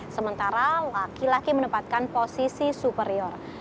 sementara laki laki menempatkan posisi superior